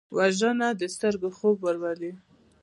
وژنه د سترګو خوب ورولي